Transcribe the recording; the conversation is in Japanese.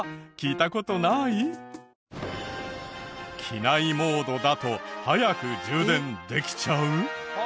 機内モードだと速く充電できちゃう？